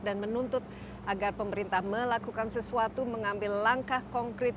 dan menuntut agar pemerintah melakukan sesuatu mengambil langkah konkret